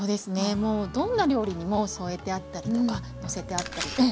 もうどんな料理にも添えてあったりとかのせてあったりとか。